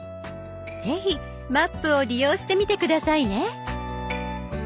是非「マップ」を利用してみて下さいね。